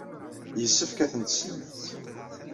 Yessefk ad ten-tessnemt.